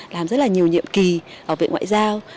làm rất là nhiều nhiệm kỳ ở viện ngoại giao